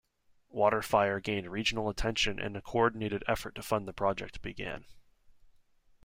WaterFire gained regional attention and a coordinated effort to fund the project began.